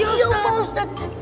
iya pak ustadz